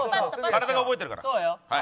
体が覚えてるから。